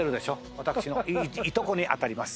私のいとこにあたります。